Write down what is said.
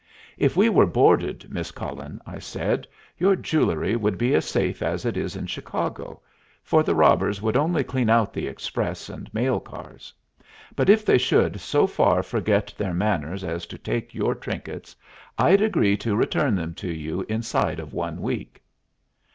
"If we were boarded, Miss Cullen," I said, "your jewelry would be as safe as it is in Chicago, for the robbers would only clean out the express and mail cars; but if they should so far forget their manners as to take your trinkets, I'd agree to return them to you inside of one week."